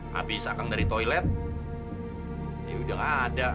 habis akang dari toilet dewi udah gak ada